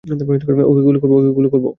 ওকে গুলি করব।